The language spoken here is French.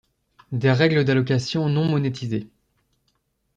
des règles d’allocation non monétisées